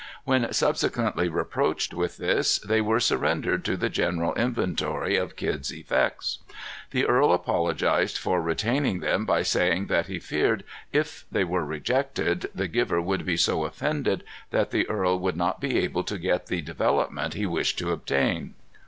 When subsequently reproached with this, they were surrendered to the general inventory of Kidd's effects. The earl apologized for retaining them by saying that he feared, if they were rejected, the giver would be so offended that the earl would not be able to get the developments he wished to obtain.